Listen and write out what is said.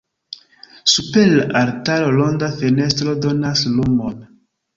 Super la altaro ronda fenestro donas lumon.